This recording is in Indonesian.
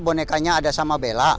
bonekanya ada sama bella